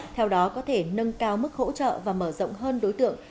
theo đó có thể nâng cao mức hỗ trợ và mở rộng hơn đối tượng